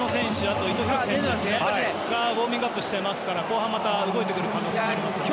あと伊藤洋輝選手がウォーミングアップしていますから後半、また動いてくる可能性がありますよね。